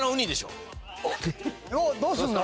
をどうすんの？